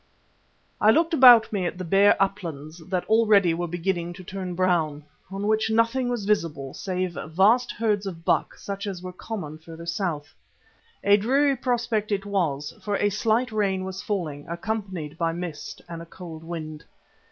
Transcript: I looked about me at the bare uplands that already were beginning to turn brown, on which nothing was visible save vast herds of buck such as were common further south. A dreary prospect it was, for a slight rain was falling, accompanied by mist and a cold wind.